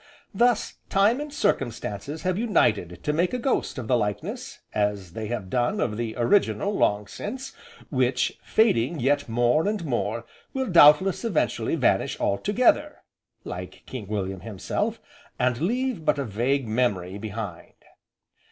Thus, Time and Circumstances have united to make a ghost of the likeness (as they have done of the original, long since) which, fading yet more, and more, will doubtless eventually vanish altogether, like King William himself, and leave but a vague memory behind.